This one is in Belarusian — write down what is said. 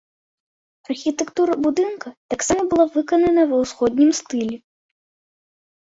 Архітэктура будынка таксама была выканана ва ўсходнім стылі.